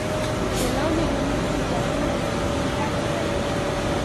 د لاندې جملو تش ځایونه په پنسل ډک کړئ.